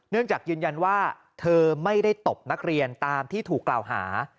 จากยืนยันว่าเธอไม่ได้ตบนักเรียนตามที่ถูกกล่าวหา